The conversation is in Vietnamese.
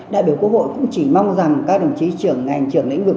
đại biểu quốc hội cũng chỉ mong rằng các đồng chí trưởng ngành trưởng lĩnh vực